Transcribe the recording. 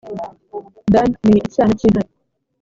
dani ni icyana cy’intare